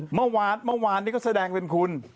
เมื่อวานเมื่อวานนี้ก็แสดงเป็นคุณ